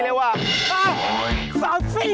หรือใครกำลังร้อนเงิน